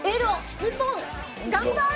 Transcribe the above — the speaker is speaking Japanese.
日本頑張れ！